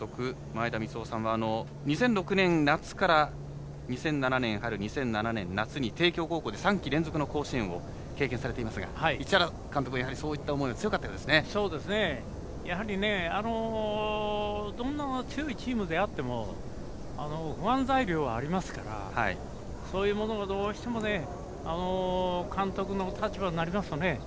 前田三夫さんは２００６年、夏から２００７年春、２００７年夏に帝京高校で３季連続の甲子園を経験されていますが市原監督そういう重いどんな強いチームであっても不安材料はありますからそういうものが、どうしても監督の立場になりますとね